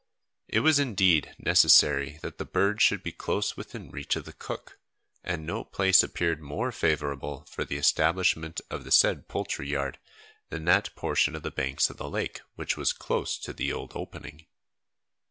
It was indeed necessary that the birds should be close within reach of the cook, and no place appeared more favourable for the establishment of the said poultry yard than that portion of the banks of the lake which was close to the old opening.